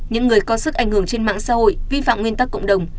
những người có sức ảnh hưởng trên mạng xã hội vi phạm nguyên tắc cộng đồng